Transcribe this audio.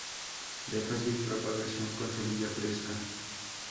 De fácil propagación con semilla fresca.